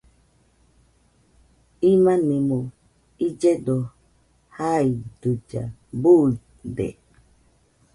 Imanimo illledo jaidɨlla, buide